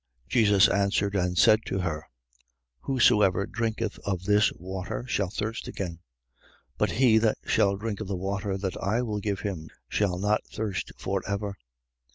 4:13. Jesus answered and said to her: Whosoever drinketh of this water shall thirst again: but he that shall drink of the water that I will give him shall not thirst for ever.